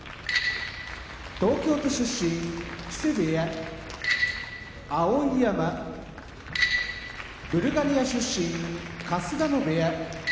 東京都出身木瀬部屋碧山ブルガリア出身春日野部屋